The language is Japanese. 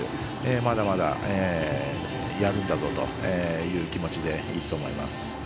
まだまだやるんだぞという気持ちでいくと思います。